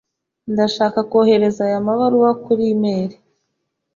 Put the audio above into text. Ndashaka kohereza aya mabaruwa kuri airmail.